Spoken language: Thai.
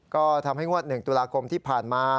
ก็ทำให้งวด๑ตุลาคมที่ผ่านมา